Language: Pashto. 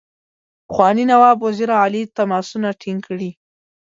پخواني نواب وزیر علي تماسونه ټینګ کړي.